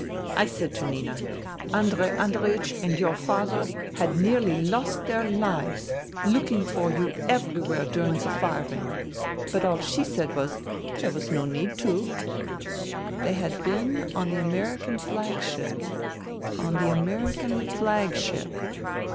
I said to Nina :' Andrei Andreiech and your father had nearly lost their lives looking M 178 FUTILITY for you everywhere during the firing.' But all she said was, ' There was no need to.' '*" They had been on the American Flagship ... on the American Flagship.